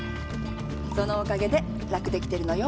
そのお陰で楽できてるのよ